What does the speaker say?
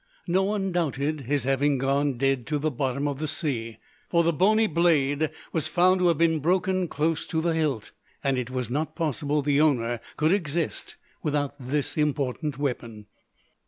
No one doubted his having gone dead to the bottom of the sea: for the bony "blade" was found to have been broken close to the "hilt," and it was not possible the owner could exist without this important weapon.